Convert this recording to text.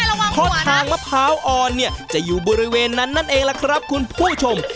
เพราะทางมะพร้าวอ่อนเนี่ยจะอยู่บริเวณนั้นนั่นเองล่ะครับคุณผู้ชม